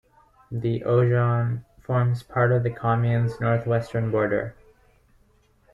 The Aujon forms part of the commune's north-western border.